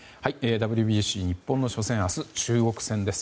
ＷＢＣ日本の初戦は明日中国戦です。